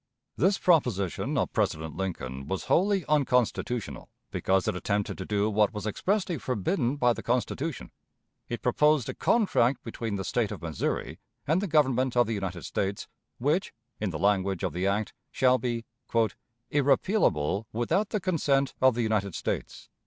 This proposition of President Lincoln was wholly unconstitutional, because it attempted to do what was expressly forbidden by the Constitution. It proposed a contract between the State of Missouri and the Government of the United States which, in the language of the act, shall be "irrepealable without the consent of the United States."